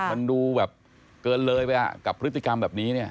มันดูเกินเลยไปกับพฤติกรรมแบบนี้